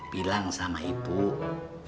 bilang sama ibu bayar dulu